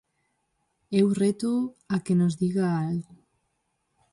Eu rétoo a que nos diga algo.